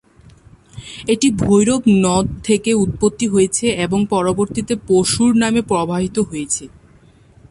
এটি ভৈরব নদ থেকে উৎপত্তি হয়েছে এবং পরবর্তিতে পশুর নামে প্রবাহিত হয়েছে।